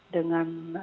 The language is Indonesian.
dengan bantuan dari pusat